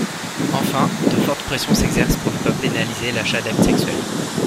Enfin, de fortes pressions s’exercent pour ne pas pénaliser l’achat d’actes sexuels.